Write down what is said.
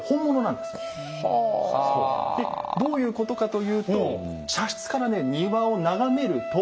でどういうことかというと茶室からね庭を眺めると。